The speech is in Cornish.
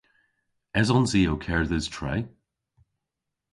Esons i ow kerdhes tre?